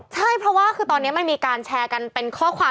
ใช่เพราะว่าคือตอนนี้มันมีการแชร์กันเป็นข้อความ